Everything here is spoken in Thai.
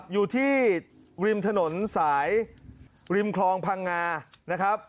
อยู่ที่ริมถนนสายริมครองพ่ังงา